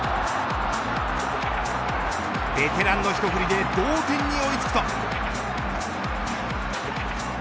ベテランの一振りで同点に追い付くと。